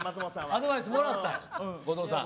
アドバイスもらった後藤さん。